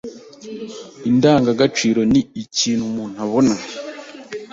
Indangagaciro ni ikintu umuntu abona